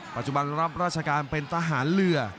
ปัจจุบันรับราชการเป็นทหารเรือ